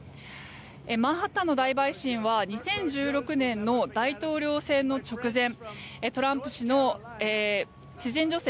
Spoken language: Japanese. マンハッタンの大陪審は２０１６年の大統領選の直前トランプ氏の知人女性